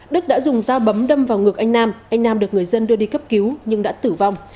đức đã dùng dao bấm đâm vào ngược anh nam anh nam được người dân đưa đi cấp cứu nhưng đã tử vong